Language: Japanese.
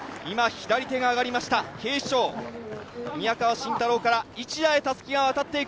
左手が上がりました、警視庁、宮川慎太郎からたすきが渡っていく。